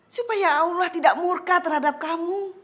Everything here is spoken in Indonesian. supaya allah tidak murka terhadap kamu